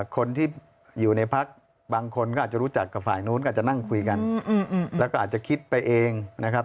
คนที่อยู่ในพักบางคนก็อาจจะรู้จักกับฝ่ายนู้นก็อาจจะนั่งคุยกันแล้วก็อาจจะคิดไปเองนะครับ